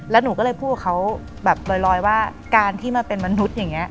แล้วหนูก็เลยพูดกับเขาแบบลอยว่าการที่มาเป็นมนุษย์อย่างนี้